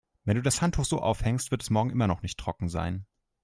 Wenn du das Handtuch so aufhängst, wird es morgen immer noch nicht trocken sein.